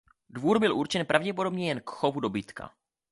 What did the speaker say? Dvůr byl určen pravděpodobně jen k chovu dobytka.